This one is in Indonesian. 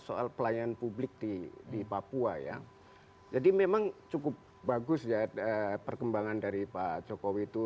soal pelayanan publik di papua ya jadi memang cukup bagus ya perkembangan dari pak jokowi itu